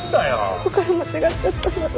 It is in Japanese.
どこから間違っちゃったんだろう？